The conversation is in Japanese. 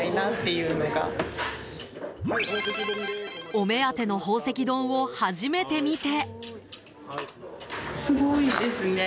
お目当ての宝石丼を初めて見て。